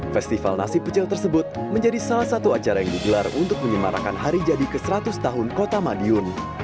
festival nasi pecel tersebut menjadi salah satu acara yang digelar untuk menyemarakan hari jadi ke seratus tahun kota madiun